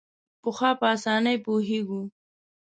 پخوا په اسانۍ پوهېږو.